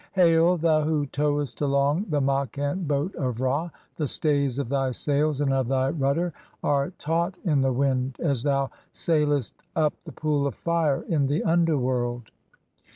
(4) Hail, thou who towest along the Makhent boat of "Ra, the stays of thy sails and of thy rudder are taut in the "wind as thou sailest up the Pool of Fire in the underworld.